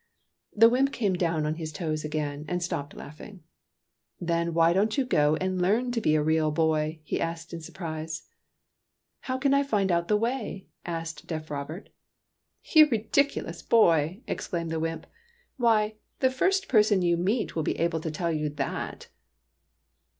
The wymp came down on his toes again and stopped laughing. "Then why don't you go and learn to be a real boy ?" he asked in surprise. " How can I find out the way ?" asked deaf Robert. " You ridiculous boy !" exclaimed the wymp. " Why, the first person you meet will be able to tell you that